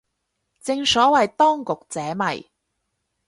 正所謂當局者迷